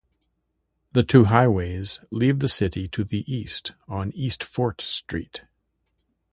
The two highways leave the city to the east on East Fort Street.